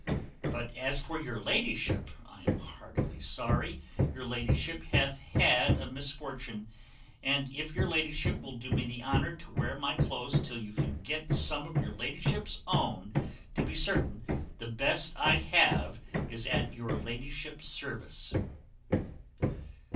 But as for your ladyship, I am heartily sorry your ladyship hath had a misfortune, and if your ladyship will do me the honour to wear my cloaths till you can get some of your ladyship's own, to be certain the best I have is at your ladyship's service."